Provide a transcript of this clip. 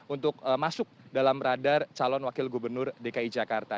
untuk masuk dalam radar calon wakil gubernur dki jakarta